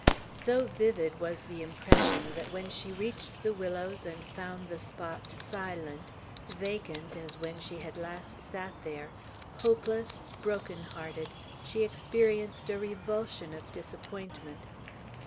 So vivid was the impression, that when she reached the willows and found the spot silent, vacant, as when she had last sat there, hopeless, broken hearted, she experienced a revulsion of disappointment.